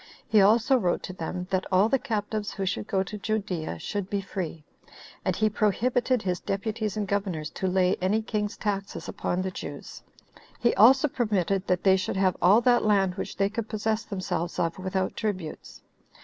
He also wrote to them, that all the captives who should go to Judea should be free; and he prohibited his deputies and governors to lay any king's taxes upon the Jews; he also permitted that they should have all that land which they could possess themselves of without tributes.